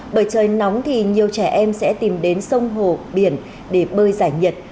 bởi trời nóng thì nhiều trẻ em sẽ tìm đến sông hồ biển để bơi giải nhiệt